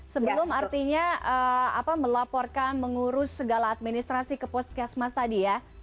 sebelum artinya melaporkan mengurus segala administrasi ke puskesmas tadi ya